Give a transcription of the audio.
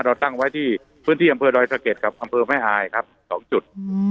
เราตั้งไว้ที่พื้นที่อำเภอดอยสะเก็ดกับอำเภอแม่อายครับ๒จุด